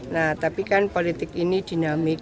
nah tapi kan politik ini dinamik